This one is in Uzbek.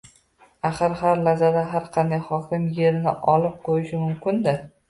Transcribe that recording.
Axir, har lahzada har qanday hokim yerini olib qo‘yishi mumkin-da...